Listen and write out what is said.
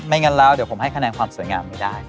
งั้นแล้วเดี๋ยวผมให้คะแนนความสวยงามไม่ได้